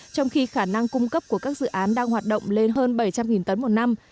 trong khi khả năng cung cấp của các dự án đang hoạt động lên hơn bảy trăm linh tấn một năm